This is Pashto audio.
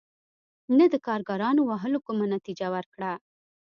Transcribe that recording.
نه د کارګرانو وهلو کومه نتیجه ورکړه.